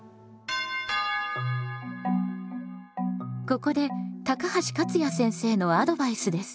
ここで高橋勝也先生のアドバイスです。